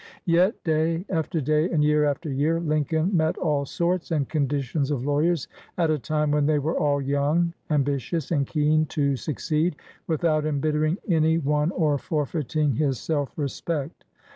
Yet, day after day and year after year, Lincoln met all sorts and conditions of lawyers at a time when they were all young, ambitious, and keen to suc ceed, without embittering any one or forfeiting his self respect.